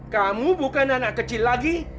kamu bukan anak kecil lagi